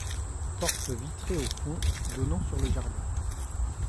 Porte vitrée au fond, donnant sur le jardin.